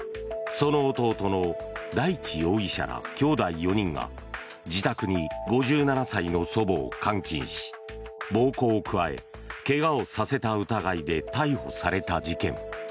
その弟の大地容疑者らきょうだい４人が自宅に５７歳の祖母を監禁し暴行を加え怪我をさせた疑いで逮捕された事件。